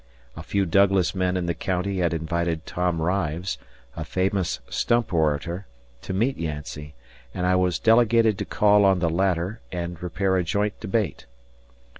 A few Douglas men in the county had invited Tim Rives, a famous stump orator, to meet Yancey, and I was delegated to call on the latter and prepare a joint debate.